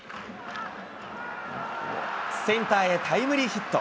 センターへタイムリーヒット。